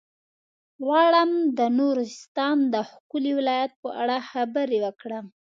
غواړم د نورستان د ښکلي ولايت په اړه خبرې وکړم.